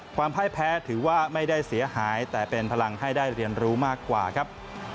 พ่ายแพ้ถือว่าไม่ได้เสียหายแต่เป็นพลังให้ได้เรียนรู้มากกว่าครับ